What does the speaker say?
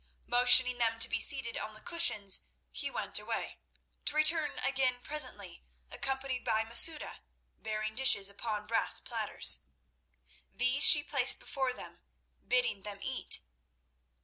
Motioning them to be seated on the cushions, he went away, to return again presently, accompanied by Masouda bearing dishes upon brass platters. These she placed before them, bidding them eat.